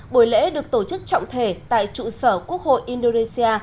buổi lễ được tổ chức trọng thể tại trụ sở quốc hội indonesia